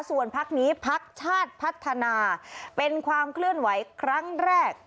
ส่วนพักนี้พักชาติพัฒนาเป็นความเคลื่อนไหวครั้งแรก